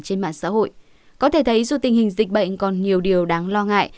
trên mạng xã hội có thể thấy dù tình hình dịch bệnh còn nhiều điều đáng lo ngại